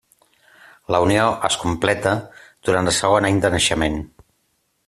La unió es completa durant el segon any de naixement.